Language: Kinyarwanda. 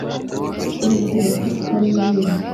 n’ubwubatsi, kuko ari we ubizi